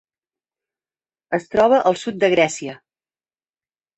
Es troba al sud de Grècia.